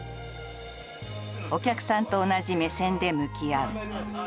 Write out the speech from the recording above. お客さんと同じ目線で向き合う。